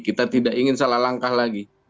kita tidak ingin salah langkah lagi